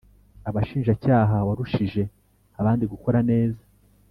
Abashinjacyaha warushije abandi gukora neza